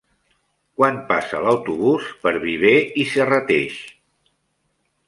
Quan passa l'autobús per Viver i Serrateix?